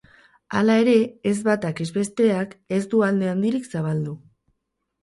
Hala ere, ez batak ez besteak ez du alde handirik zabaldu.